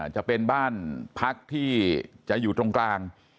จะเป็นบ้านพักที่จะอยู่ตรงกลาง